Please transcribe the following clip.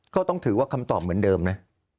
ก็ต้องถือว่าคำตอบเหมือนเดิมนะ